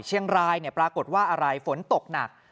เชียงรายปรากฏว่าอะไรฝนตกหนัก